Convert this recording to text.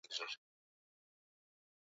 wapenzi wa miti Inaruhusu wanasayansi kuchora